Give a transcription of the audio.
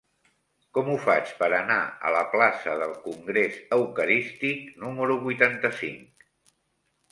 Com ho faig per anar a la plaça del Congrés Eucarístic número vuitanta-cinc?